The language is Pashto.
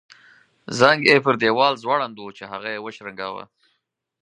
زنګ یې پر دیوال ځوړند وو چې هغه یې وشرنګاوه.